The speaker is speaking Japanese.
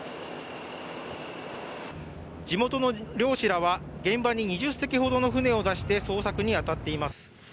地元の漁師らは現場に２０隻ほどの船を出して捜索に当たっています。